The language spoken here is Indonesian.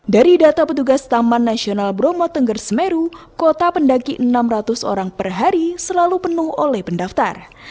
dari data petugas taman nasional bromo tengger semeru kota pendaki enam ratus orang per hari selalu penuh oleh pendaftar